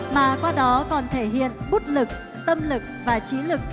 mà qua đó còn thể hiện bút lực tâm lực và trí lực